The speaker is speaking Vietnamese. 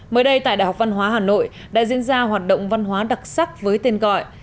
mới đây tại đại học văn hóa hà nội đã diễn ra hoạt động văn hóa đặc sắc với tên gọi